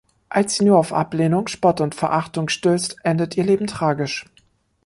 Als sie nur auf Ablehnung, Spott und Verachtung stößt, endet ihr Leben tragisch.